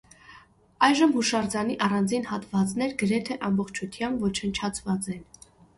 Այժմ յուշարձանի առանձին հատուածներ գրեթէ ամբողջութեամբ ոչնչացուած են։